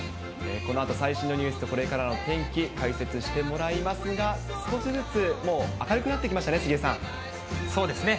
このあと最新のニュースと、これからの天気、解説してもらいますが、少しずつもう明るくなってきましたね、そうですね。